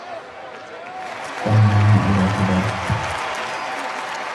ضمّني إلى صدره.